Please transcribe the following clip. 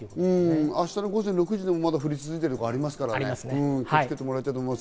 明日の午前６時でも降り続いている所がありますから気をつけていただきたいと思います。